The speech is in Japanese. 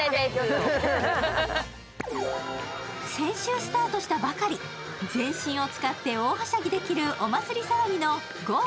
先週スタートしたばかり、全身を使って大はしゃぎできるお祭り騒ぎのゴー！